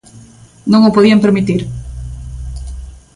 Non o podían permitir.